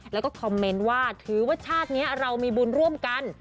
แล้วก็คอมเมนต์ว่าถือว่าชาตินี้เรามีบุญร่วมกัน